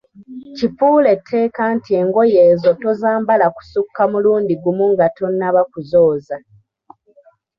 Kifuule tteeka nti engoye ezo tozambala kusukka mulundi gumu nga tonnaba kuzooza.